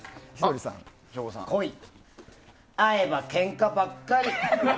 恋、会えばケンカばっかり。